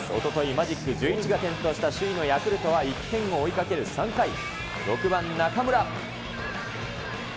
マジック１１が点灯した首位のヤクルトは１点を追いかける３回、６番中村。